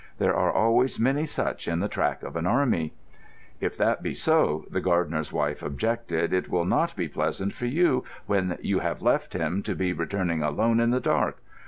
There are always many such in the track of an army." "If that be so," the gardener's wife objected, "it will not be pleasant for you, when you have left him, to be returning alone in the dark.